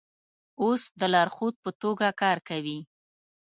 اوس د لارښود په توګه کار کوي.